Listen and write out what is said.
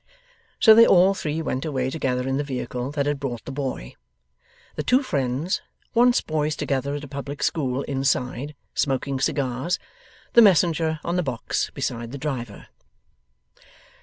So, they all three went away together in the vehicle that had brought the boy; the two friends (once boys together at a public school) inside, smoking cigars; the messenger on the box beside the driver.